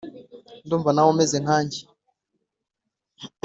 ndumva nawe umeze nkange.